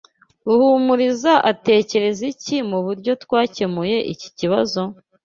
Ruhumuriza atekereza iki muburyo twakemuye iki kibazo?